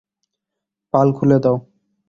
পাল খুলে দাও।